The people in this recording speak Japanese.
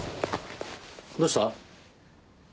どうした？